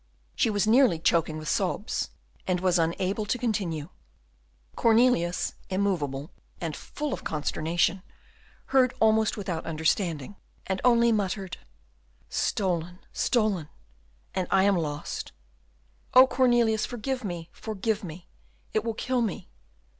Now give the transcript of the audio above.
She was nearly choking with sobs, and was unable to continue. Cornelius, immovable and full of consternation, heard almost without understanding, and only muttered, "Stolen, stolen, and I am lost!" "O Cornelius, forgive me, forgive me, it will kill me!"